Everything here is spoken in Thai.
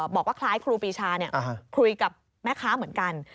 บอกว่าคล้ายครูปีชาคุยกับแม่ค้าเหมือนกัน